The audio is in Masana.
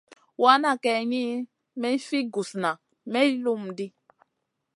Wana kayni mi fi gusna may lum ɗi.